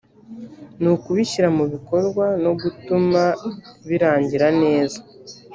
ni ukubishyira mu bikorwa no gutuma birangira neza